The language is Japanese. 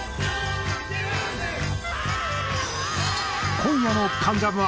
今夜の『関ジャム』は。